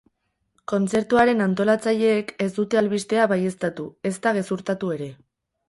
Kontzertuaren antolatzaileek ez dute albistea baieztatu, ezta gezurtatu ere.